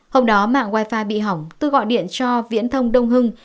hôm đó mạng wifi bị hỏng tôi gọi điện cho viễn thông đông hưng